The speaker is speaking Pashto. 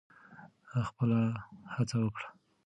خپله هڅه وکړئ.